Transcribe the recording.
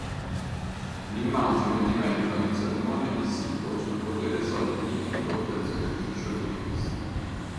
L'immagine diventa un sermone visivo sul potere salvifico del sacrificio di Cristo.